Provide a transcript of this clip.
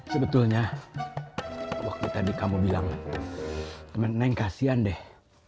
sebetulnya waktu tadi kamu bilang neng kasian deh